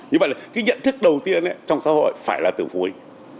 như vậy là cái nhận thức đầu tiên trong xã hội phải là từ phối